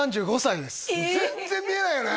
全然見えないよね